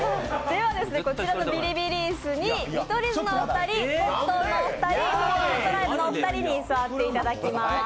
こちらのビリビリ椅子に見取り図のお二人、コットンのお二人、ツートライブのお二人に座っていただきます。